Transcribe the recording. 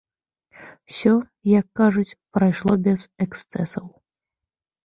Усё, як кажуць, прайшло без эксцэсаў.